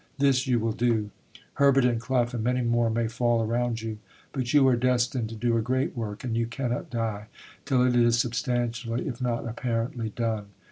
This you will do. Herbert and Clough and many more may fall around you, but you are destined to do a great work and you cannot die till it is substantially, if not apparently, done.